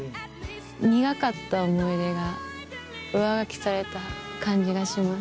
苦かった思い出が上書きされた感じがします。